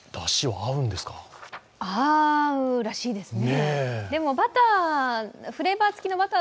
合うらしいですね。